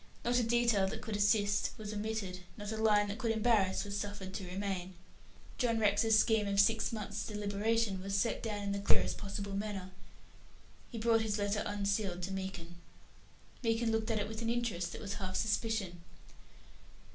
Not a detail that could assist was omitted not a line that could embarrass was suffered to remain. John Rex's scheme of six months' deliberation was set down in the clearest possible manner. He brought his letter unsealed to Meekin. Meekin looked at it with an interest that was half suspicion.